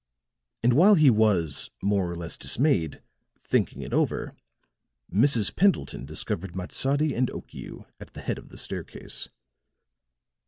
And while he was, more or less dismayed, thinking it over, Mrs. Pendleton discovered Matsadi and Okiu at the head of the staircase.